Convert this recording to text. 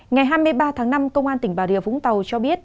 ngày hai mươi ba tháng năm công an tỉnh bà rịa vũng tàu cho biết